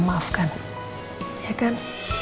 bisa memaafkan ya kan